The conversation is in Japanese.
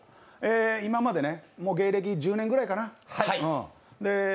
今まで、もう芸歴１０年くらいかな？